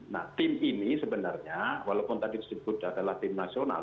nah tim ini sebenarnya walaupun tadi disebut adalah tim nasional